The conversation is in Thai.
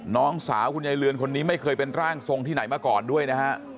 น้องสาวคุณยายเรือนคนนี้ไม่เคยเป็นร่างทรงที่ไหนมาก่อนด้วยนะฮะ